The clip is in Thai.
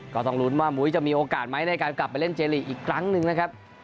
ก็ต้องลุ้นว่ามุ้ยจะมีโอกาสไหมในการกลับไปเล่นเจลีกอีกครั้งหนึ่งนะครับ